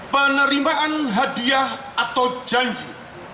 penerimaan hadiah atau janji